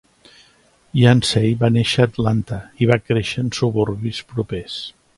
Yancey va néixer a Atlanta i va créixer en suburbis propers.